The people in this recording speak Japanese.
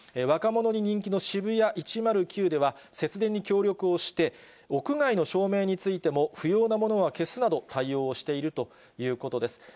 若者に人気のシブヤ１０９では、節電に協力をして、屋外の照明についても、不要なものは消すなど、対応をしているということです。